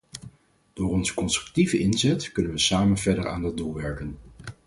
Door onze constructieve inzet kunnen we samen verder aan dat doel werken.